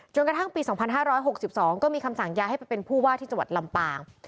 กระทั่งปี๒๕๖๒ก็มีคำสั่งย้ายให้ไปเป็นผู้ว่าที่จังหวัดลำปาง